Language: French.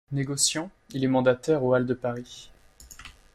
Négociant, il est mandataire aux Halles de Paris.